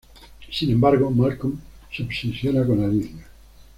Sin embargo, Malcolm se obsesiona con Alicia.